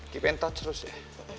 keep in touch terus ya